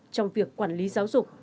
trong việc quản lý giáo dục